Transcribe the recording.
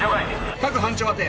各班長宛て。